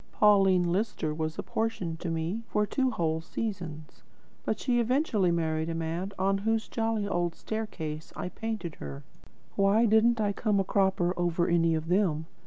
Pauline Lister was apportioned to me for two whole seasons, but she eventually married the man on whose jolly old staircase I painted her. Why didn't I come a cropper over any of them?